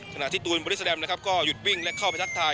ส่วนที่ตูหลานบริษลัมย์ก็หยุดวิ่งและเข้าไปทักทาย